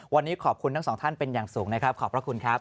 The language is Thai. วันนี้ขอบคุณทั้งสองท่านเป็นอย่างสูงนะครับขอบพระคุณครับ